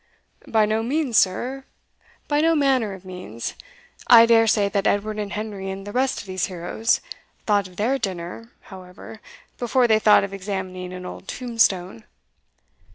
"By no means, sir by no manner of means. I dare say that Edward and Henry, and the rest of these heroes, thought of their dinner, however, before they thought of examining an old tombstone.